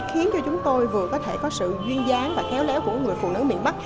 khiến cho chúng tôi vừa có thể có sự duyên dáng và khéo léo của người phụ nữ miền bắc